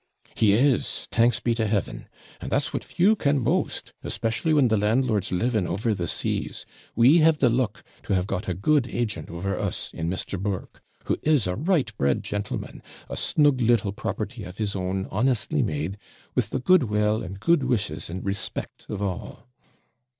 'He is, thanks be to Heaven! And that's what few can boast, especially when the landlord's living over the seas: we have the luck to have got a good agent over us, in Mr. Burke, who is a right bred gentleman; a snug little property of his own, honestly made; with the good will and good wishes, and respect of all.'